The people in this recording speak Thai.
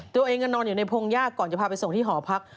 ตัวเองก็นอนอยู่ในพงยากก่อนจะพาไปส่งที่หอพัก